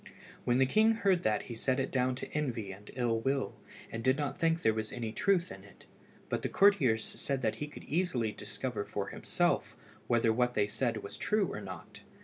When the king heard that he set it down to envy and ill will, and did not think there was any truth in it, but the courtiers said that he could easily discover for himself whether what they said was true or not.